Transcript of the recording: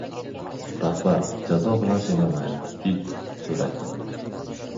• Rahbar jazo bilan semirmaydi, it ― so‘lak bilan.